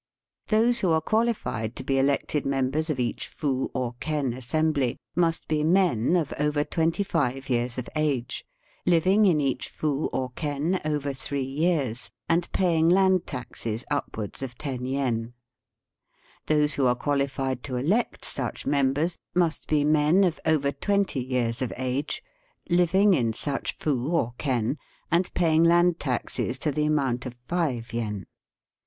Those who are qualified to be elected members of each fu or ken assembly must be men of over twenty five years of age, living in each fu or ken over three years, and paying land taxes upwards of ten yen. Those who are quaUfied to elect such members must be men of over twenty years of age, living Digitized by VjOOQIC THE NEW EMPIBE IN THE WEST. 91 in such fa or ken, and paying land taxes to the amount of five yen.